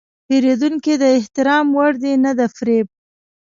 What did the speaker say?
پیرودونکی د احترام وړ دی، نه د فریب.